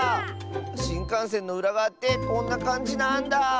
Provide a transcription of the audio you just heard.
しんかんせんのうらがわってこんなかんじなんだ。